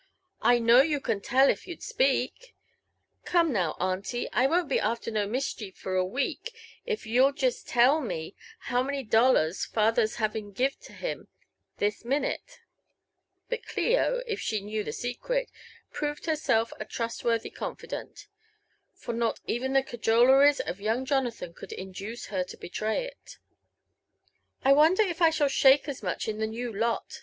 "I know you can tell if you'd speak. Come, now aunty, I won't be after no mischief for a week if \ JONATHAN JEFFERSON WftlTLAW. 28 you'll jest tell me how many dollars father's having gived to him this minute?" But Clio, if she knew the secret, proved herseU a trustworthy confi dant, for not even the cajoleries of young Jonathan could induce her to betray it. " I wonder if I shall shake as much in the new lot?